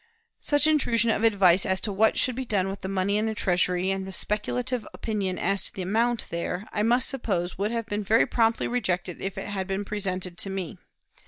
Such intrusion of advice as to what should be done with the money in the Treasury, and the speculative opinion as to the amount there, I must suppose would have been very promptly rejected if it had been presented to me.